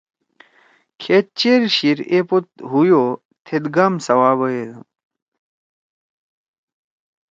کھید چیرگن شِیر ایپوت ہُویو تھیت گام سوابَیدُو۔